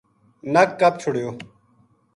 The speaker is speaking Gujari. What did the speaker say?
نک کَپ چھُڑیو